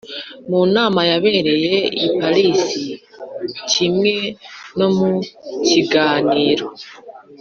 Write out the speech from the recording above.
mu nama yabereye i parisi kimwe no mu kiganiro